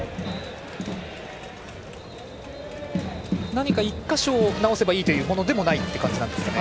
何か１か所直せばいいというものでもないという感じですかね。